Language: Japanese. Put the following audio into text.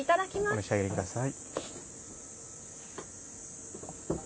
お召し上がりください。